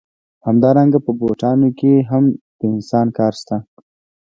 همدارنګه په بوټانو کې هم د انسان کار شته